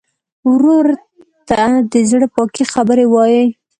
ورور ته د زړه پاکې خبرې وایې.